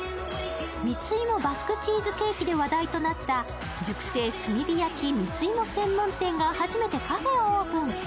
蜜芋バスクチーズケーキで話題となった熟成炭火焼き蜜芋専門店が初めてカフェをオープン。